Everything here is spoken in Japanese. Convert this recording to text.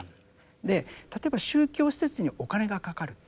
で例えば宗教施設にお金がかかるって。